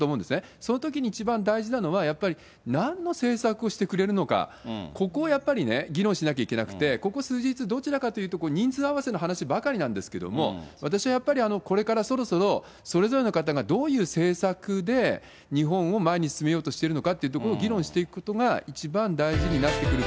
そのときに一番大事なのは、やっぱりなんの政策をしてくれるのか、ここをやっぱり議論しなきゃいけなくて、ここ数日、どちらかというと人数合わせの話ばかりなんですけれども、私はやっぱりこれからそろそろ、それぞれの方がどういう政策で日本を前に進めようとしているのか